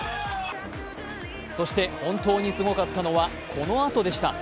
そして、本当にすごかったのはこのあとでした。